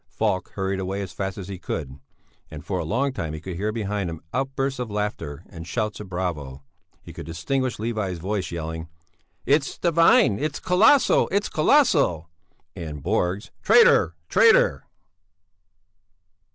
Falk hurried away as fast as he could. And for a long time he could hear behind him outbursts of laughter and shouts of bravo. He could distinguish Levi's voice yelling: "It's divine, it's colossal it's colossal!" And Borg's: "Traitor! Traitor!"